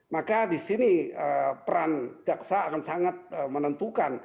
maka di sini peran jaksa akan sangat menentukan